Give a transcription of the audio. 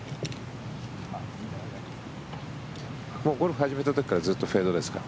ゴルフ始めた時からずっとフェードですか？